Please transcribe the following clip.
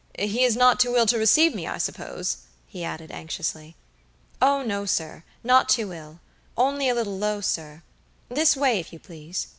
He is not too ill to receive me, I suppose?" he added, anxiously. "Oh, no, sirnot too ill; only a little low, sir. This way, if you please."